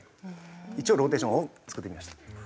一応ローテーションを作ってみました。